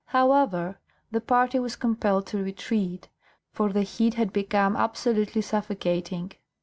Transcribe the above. However, the party was compelled to retreat, for the heat had become absolutely suffocating.